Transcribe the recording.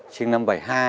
sinh năm bảy mươi hai